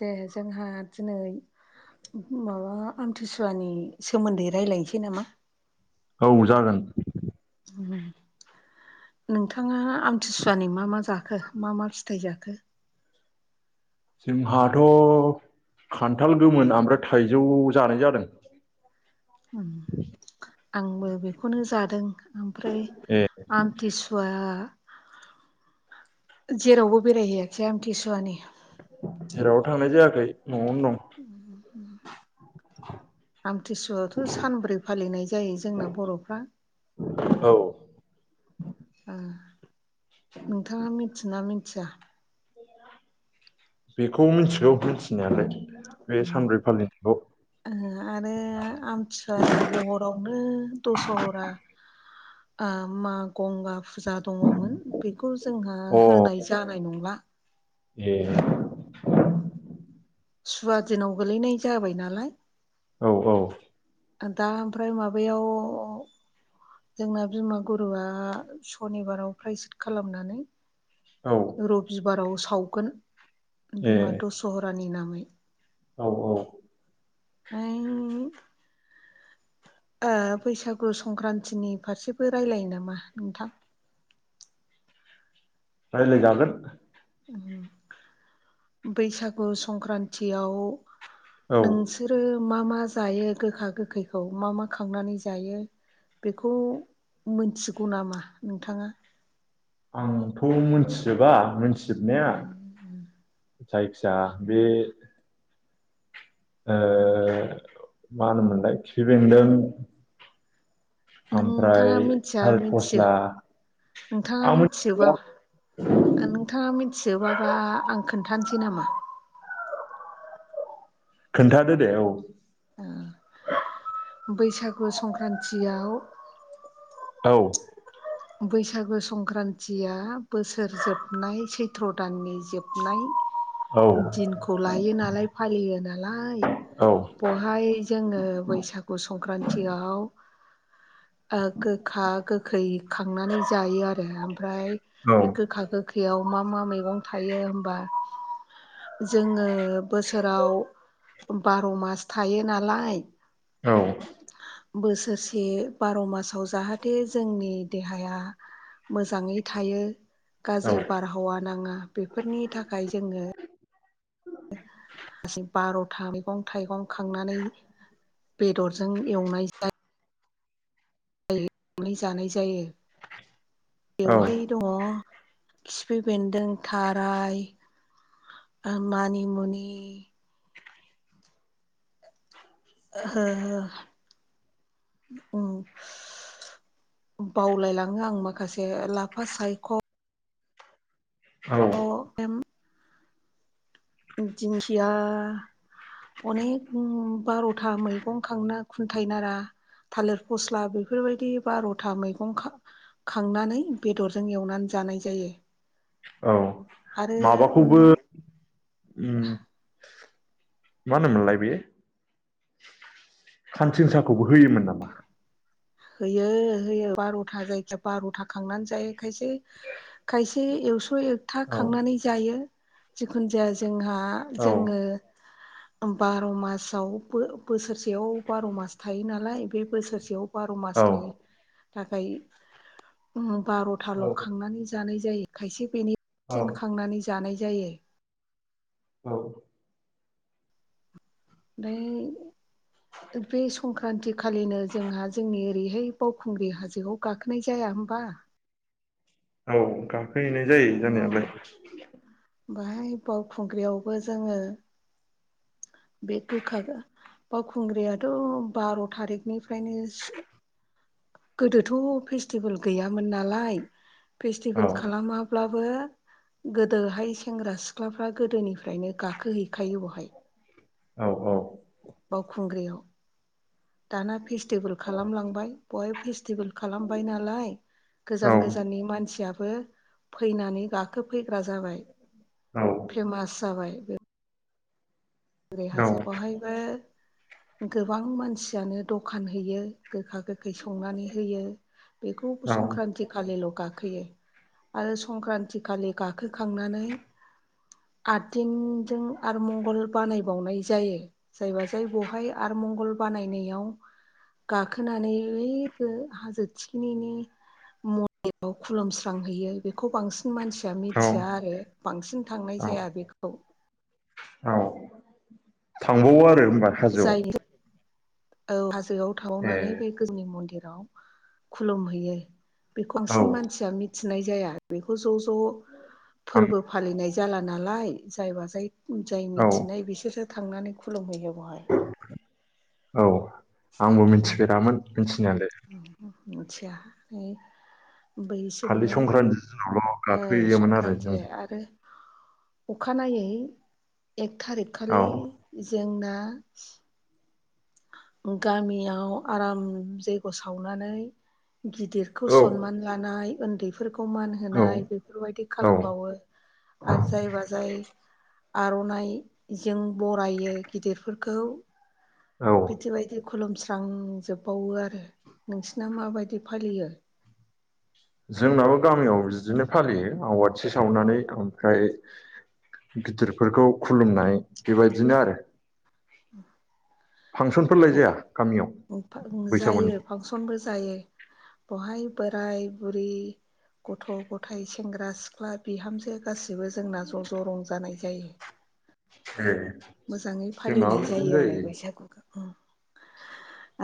दे जोंहा दिनै माबा आमथिसुवानि सोमोन्दै रायलायनोसै नामा? औ जागोन नोंथाङा आमथिसुवानि मा मा जाखो? मा मा फिथाइ जाखो? जोंहाथ' खान्थाल गोमोन आमफ्राय थाइजौ जानाय जादों। अ आंबो बेखौनो जादों। ओमफ्राय ए आमथिसुवा जेरावबो बेराय होयाखै आमथिसुवानि? जेरावबो थांनाय जायाखै। न'वावनो दं। [inaudible] आमथिसुवावथ' सानब्रै फालिनाय जायो जोंना बर'फ्रा। औ आ। नोंथाङा मिथियोना मि थिया बेखौ मिथिगौ मिथिनायालाय। बे सानब्रै फालिनायखौ आरो आमथिुसुवानो भहरावनो दस'ह'रा। आम मा गंगा फुजा दङ'मोन बेखौ जोंहा अ होनाय जानाय नंला। ए सुवा दिनाव गोलैनाय जाबाय नालाय। औ औ। दा ओमफ्राय माबायाव जोंना बिमा गुरुवा सनिबाराव प्राइसिट खालामनानै। औ। बिबाराव सावगोन। ए बिमा दसहरानि नाम [unintelligible] औ औ। [unintelligible] ओ बैसागु संक्रान्तिनि फारसेबो रायलायो नामा नोंथां? रायज्लायजागोन। बैसागु संक्रान्तिआव औ नोंसोरो। मा मा जायो गोखा गोखैखौ? मा मा खांनानै जायो बेखौ मोनथिगौ नामा नोंथाङा? आंथ' मिथिजोबा [unintelligible] [unintelligible] जायखिया बे ओ मा होनोमोनलाय खिफिबेन्दों नोंथाङा मिथिया मिथियो फस्ला नोंथाङा आं मिथियोबा मिथिजोबा नोंथाङा मि थिजोबाबा आं खोनथानोसै नामा खोन्थादो दे औ बैसागु संक्रान्तियाव औ बैसागु संक्रान्तिया बोसोर जोबनाय सैथ्र' दाननि जोबनाय औ दिनखौ ला यो नालाय फालियो नालाय औ बहाय जोङो बैसागु संक्रान्तियाव ओ गोखा गोखै खांनानै जायो आरो ओमफ्राय बे गोखा गोखैयाव मा मा मैगं थायो होमबा जोङो बोसोराव बार' मास थायो नालाय बोसोरसे बार' मासाव जाहाथे जोंनि देहाया मोजाङै थायो औ गाज्रि बारहावा नाङा बेफोरनि थाखाय जोङो [unintelligible] बार'था मैगं थाइगं खांनानै बेदरजों एवनाय जायो। [unintelligible] जानाय जायो बेवहाय दङ खिफि बेन्दों थाराय मानिमुनि ओ ओम बावलायलाङो आं माखासे लाफा सायख' औ अ एम दिंखिया अनेक बार'था मैगं खांना खुन्थाइ नारा थालिर फस्ला बेफोरबायदि बार'था मैगं खां-खांनानै बेदरजों एवनानै जानाय जायो। औ आरो माबाखौबो ओम उम मा होनोमोनलाय बे खान्थिं साखौबो होयोमोन नामा? होयो होयो बार'था जायखिया बार'था खांनानै जायो खायसे खायसे एखस स' एकथा औ खांनानै जायो। जिखुनु जाया जोंहा आ‌ औ जोङो बार' मासाव बो-बोसोरसेयाव बार' मास थायो नालाय बे बोसोरसेयाव बार' औ मासनि थाखाय ओम बार'थाल' खांनानै जानाय जायो खायसे बेनि औ सिन खांनानै जानाय जायो औ ओमफ्राय बे संक्रान्ति खालिनो जोंहा जोंनि ओरैहाय बावखुंग्रि हाजोआव गाखोनाय जाया होमबा औ गा खोहैनाय जायो जानायालाय बहाय बावखुंग्रियावबो जोङो बे गोखा बावखुंग्रियाथ' बार' थारिखनिफ्रायनो गोदोथ' फेस्टिभेल गैयामोन नालाय औ फेस्टिभेल खालामाब्लाबो गोदोहाय सेंग्रा सिख्लाफ्रा गोदोनिफ्रायनो गाखोहैखायो बेवहाय औ औ बावखुंग्रियाव दाना फेस टेबोल खालामलांबाय बय फिस फेल खालामबाय नालाय औ गोजान गोजाननि मानसिया बो फैनानै गाखोफैग्रा जाबाय फेमास जाबाय औ हाजो बहायबो गोबां मानसियानो दखान हैयो गोखा गोखा थाखाय संनानै होयो बेखौ संक्रान्ति खालिल' गाखोयो गाखोयो आरो संक्रान्ति खालि गाखोखांनानै आददिनजों आरो मंगल बानायबावनाय जायो जायबा जाय बहाय आरमंगल बानायनायाव गाखोनानै ओइ हाजो थिखिनिनि मलायाव खुलुमस्रांहैयो बेखौ बांसिन बांसिन मानसिया औ मिथिया आरो बांसिन थांनाय जाया बेखौ औ थांबावो आरो हाजोआव जाय औ गोआव ए थावनानै बे गोजोनि मन्दिर खुलुमहैयो बे औ बांसिन मानसिया मि मिथिनाय जाया बेखौ ज' ज ज आं फोरबो फालिनायायो जाला नालाय जायबा जाय जाय औ मिथिनाय बिसोरो थांनानै खुलुमहैयो बेहाय औ आंबो मिथिफेरामोन मिथिनायालाय मिथिया खालि बैसोमो संक्रान्ति दिनावल' ओ गाखोयोमोन आरो संक्रान्ति जों आरो अखानायै एक थारिक औ खालि जोंना आ गामियाव आराम जैग्य सावनानै गिदिरखौ औ सनमान लानाय उन्दैफोरखौ समान होनाय औ बेफोरबायदि औ खालामबावो आरो जायब जाय आर'नाइजों बरायो गिदिरफोरखौ औ बिदि बायदि खुलुमस्रांजोबबावो आरो नोंसिना माबायदि फालियो जोंनाबो गामियाव बिदिनो फालियो सावनानै ओमफ्राय गिदिरफोरखौ खुलुमनाय बेबायदिनो आरो उम फांसनफोर लायजाया गामियाव आरो बैसागुनि जायो फांसनबो जायो बेहाय बोराय बुरि गथ' गथायाइ सेंग्रा सिख्ला बिहामजो गासैबो जोंना ज' ज' रंजानाय जायो। ए मोजाङै जोंनाबो फालिनाय बिदिनो जायो आरो बैसागुखौ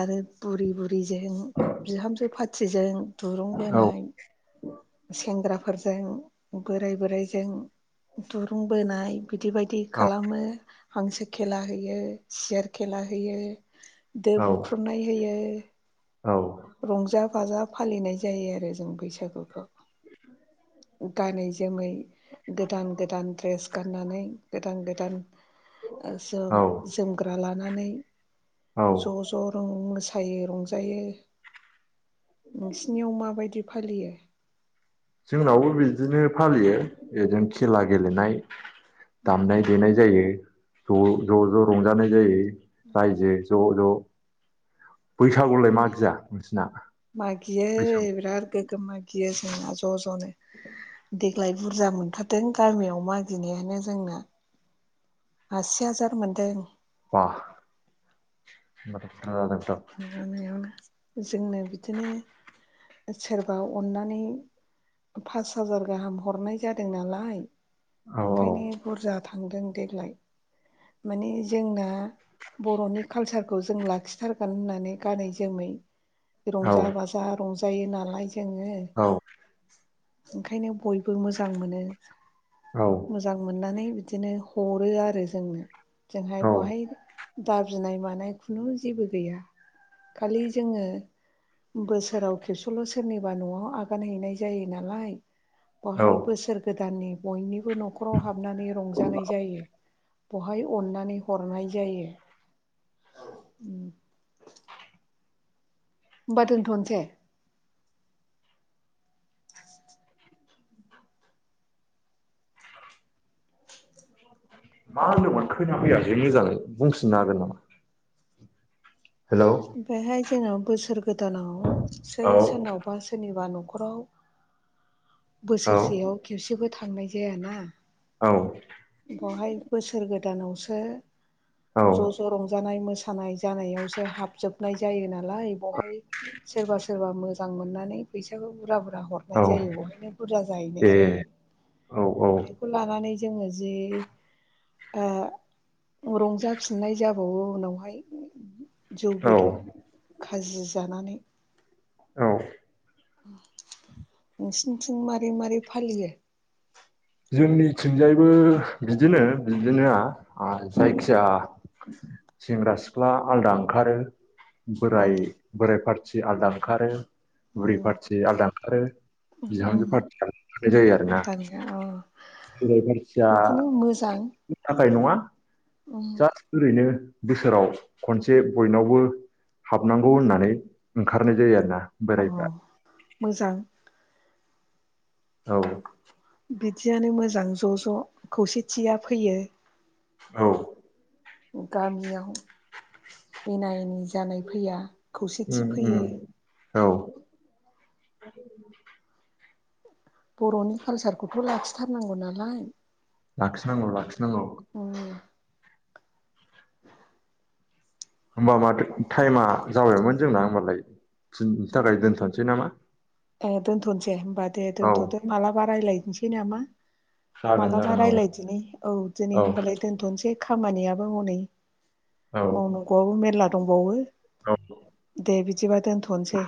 आरो फुरि ब बिहामजो सिजों दुरुं औ औ बोनाय सेंग्राफोरजों बोराय बोराइजों दुरुं बोनाय। बिदि बायदि खालामो हांसो खेला होयो सियार खेला होयो। दो औ बुख्रुबनाय होयो। [unintelligible] औ रंजा बाजा फालिनाय जायो आरो जों बैसागुखौ गानै जोमै गोदान गोदान ड्रेस गाननानै गोदान गोदान जोम औ जोमग्रा लानानै औ ज' ज' मोसायो रंजायो। नोंसिनियाव माबायदि फालियो जोंनावबो बिदिनो फालियो ओरनो खेला गेलेनाय। दामनाय देनाय जायो। ज' ज' ज' रंजानाय जायो। रायजो ज' ज' बैसागुलाय मागिया नोंसिना बैसागु गियो जोंना ज' ज'नो देग्लाय बुरजा मोनथारदों गामियाव मागिनायानो जोंना आसि हाजार मोनदों। बा होमबाथ' बुरजा जादों? [unintelligible] जोंनो बिदिनो सोरबा अननानै पास हाजार गाहाम हरनाय जादों नालाय औ ओंखायनो बुरजा थांदों। देग्लाय माने जोंना बर'नि कालसारखौ जों लाखिथार गोन होननानै गानै जोमै औ रंजा बाजा रं जायो नालाय जोङो औ ओंखायनो बयबो मोजां मोनो औ मोजां मोननानै दिनो हरो आरो जोंनो जोंहाय औ बहाय दाबिनाय मानाय खुनु जेबो गैया खालि जोङो बोसोराव खेबसेल' सोरनिबा न'आव आगान हैनाय जायो नालाय औ बहाय बोसोर गो दाननि बयनिबो न'खराव हाबनानै रंजानाय जायो बहाय अननानै हरनाय जायो होमबा दोनथ'नोसै खोना फैयासै मोजाङै बुंफिननो हागोन नामा हेलौ बेहाय जोङो बोसोर गोदानाव सो औ सोरनावबा सो सोरनिबा न'खराव औ बोसोरसेयाव खेबसेबो थांनाय जायाना औ बेवहाय बोसोर गोदानावसो औ ज' ज' रं जानाय मोसानाय जानायावसो हाब जोबनाय जायो नालाय बेवहाय सोरबा सोरबा मोजां मोननानै फैसखौ बुरजा बुरजा हरनाय जायो बेवहायनो बुरजा ए जाहैनाय जायो औ बेखौ लानानै जोङो जि ओ रंजाफिननाय जाबावो उनावहाय जौ औ बेदर खाजि जानानै औ नोंसिंथिं मारै मारै फालियो जोंनिथिंजायबो बिदिनो बिदिनो जायखिया सेंग्रा सिख्ला आलादा ओंखारो ओम बोराय बोराय फ्रा आलादा ओखारो बुरै ओम पार्टि आलादा ओंखारो ओम बिहामजो पार्टि आलदा ओंखारनाय जायो आरो ना उदांगा अ बोरै मानसिया बिदिनो मोजां थाखाय नङा जास्थ जेरै बिदिनो बोसोराव खनसे बयनावबो हाबनांगौ होननानै ओंखारनाय जायो आरो ना अ मोजां औ बिदियानो मोजां ज' ज' खौसेथिया फैयो औ। गामियाव एना एनि जानाय फैया। खौसेथि उम उम फैयो। औ। बर'नि कालसारखौथ' लाखिथारनांगौ नालाय। लाखिनांगौ लाखिनांगौ। [inaudible] होमबा माथो टाइमा जाबायमोन जोंना होमबालाय फनो थाखाय दोनथ'नोसै नामा? ए दोनथ'नोसै होमबा दे औ दोनथ'दो मालाबा रायलाय नोसै नामा? जागोन मालाबा जागोन औ रायलायदिनि, औ दिनै होमबालाय दोन्थनसै खामानिया औ नै। औ मावनांगौआबो मेरला दंबावो। औ दे बिदिबा दोनथ'नसै।